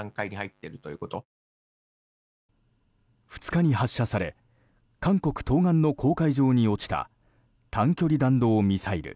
２日に発射され韓国東岸の公海上に落ちた短距離弾道ミサイル。